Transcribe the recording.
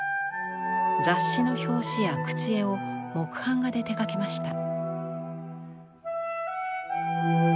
雑誌の表紙や口絵を木版画で手がけました。